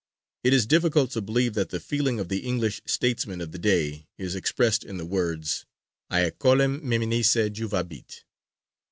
It is difficult to believe that the feeling of the English statesmen of the day is expressed in the words _Haec olim meminisse juvabit.